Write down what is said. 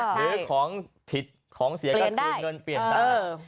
ถ้าเกลือของผิดของเสียก็เกลือเงินเปลี่ยนทาง